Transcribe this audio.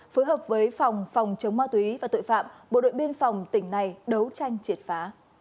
phối hợp với phòng phòng chống ma túy và tội phạm bộ đội biên phòng tỉnh này đấu tranh triệt phá